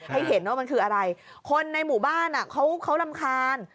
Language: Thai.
ให้เห็นว่ามันคืออะไรคนในหมู่บ้านเขารำคาญ